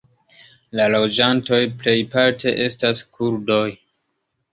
La loĝantoj plejparte estas kurdoj.